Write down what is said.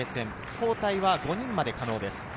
交代は５人まで可能です。